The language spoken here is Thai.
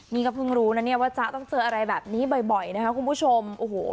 นี่ก็เพิ่งรู้นะเนี่ยว่าจ๊ะต้องเจออะไรแบบนี้บ่อยนะคะคุณผู้ชมโอ้โห